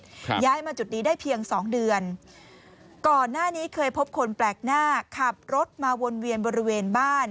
ย้ายมาจุดนี้ได้เพียงสองเดือนก่อนหน้านี้เคยพบคนแปลกหน้าขับรถมาวนเวียนบริเวณบ้าน